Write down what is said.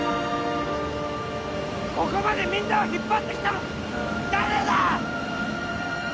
ここまでみんなを引っ張ってきたの誰だ！？